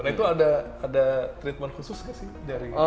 nah itu ada treatment khusus nggak sih dari